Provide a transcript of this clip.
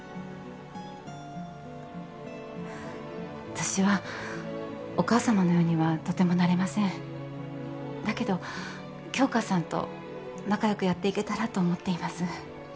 私はお母様のようにはとてもなれませんだけど杏花さんと仲よくやっていけたらと思っています